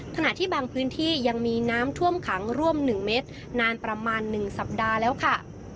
ขณะที่บางพื้นที่ยังมีน้ำท่วมขังร่วม๑เมตรนานประมาณ๑สัปดาห์แล้วค่ะ